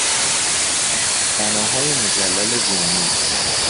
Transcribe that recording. بنایهای مجلل رومی